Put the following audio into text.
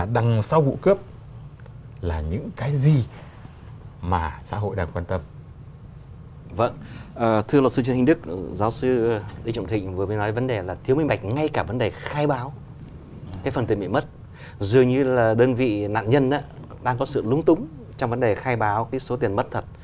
dường như là đơn vị nạn nhân đang có sự lúng túng trong vấn đề khai báo cái số tiền mất thật